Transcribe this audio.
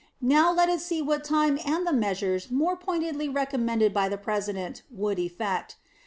Now, let us see what time and the measures more pointedly recommended by the President would effect.